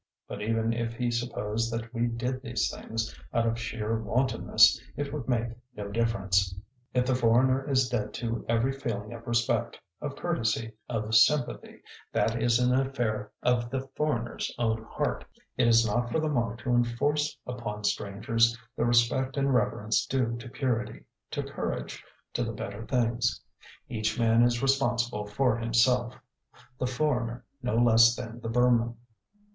But even if he supposed that we did these things out of sheer wantonness it would make no difference. If the foreigner is dead to every feeling of respect, of courtesy, of sympathy, that is an affair of the foreigner's own heart. It is not for the monk to enforce upon strangers the respect and reverence due to purity, to courage, to the better things. Each man is responsible for himself, the foreigner no less than the Burman.